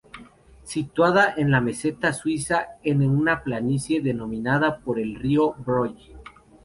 Situada en la meseta suiza en una planicie dominada por el río Broye.